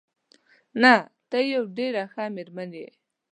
نه، ته یوه ډېره ښه مېرمن یې.